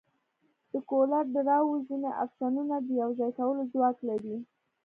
د کولر ډراو ځینې افشنونه د یوځای کولو ځواک لري.